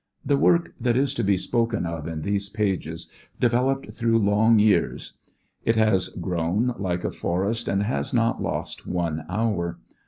The work that is to be spoken of in these pages developed through long years. It has grown like a forest and has not lost one hour.